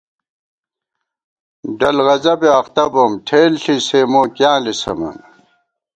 ڈل غضبےاختہ بوم ٹھېل ݪی سےمو کیاں لِسَمان